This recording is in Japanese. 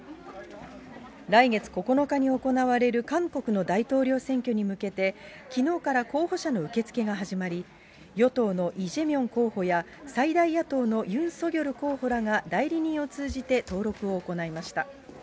来月９日に行われる韓国の大統領選挙に向けて、きのうから候補者の受け付けが始まり、与党のイ・ジェミョン候補や、最大野党のユン・ソギョル候補らが代理人を通じて登録を行いました。